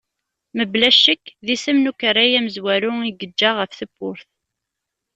Mebla ccek, d isem n ukerray amezwaru i yeǧǧa ɣef tewwurt.